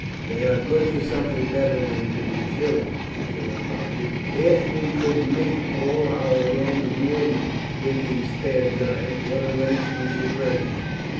"They are good for something better than to be killed, Suetonius; if we could mate all our Roman women with these fair giants, what a race we should raise!"